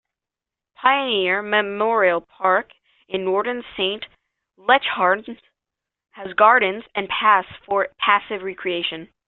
Pioneer Memorial Park in Norton Saint, Leichhardt, has gardens and paths for passive recreation.